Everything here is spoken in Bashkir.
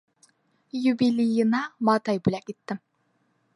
Йүбилийына матай бүләк иттем.